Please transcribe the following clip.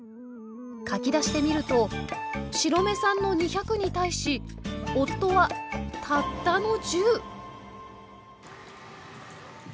書き出してみると白目さんの２００に対し夫はたったの１０。